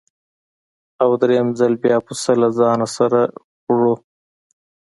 او درېیم ځل بیا پسه له ځانه سره وړو.